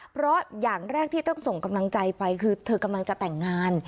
เพราะอย่างแรกที่ต้องส่งกำลังใจไปคือเธอกำลังจะแต่งงาน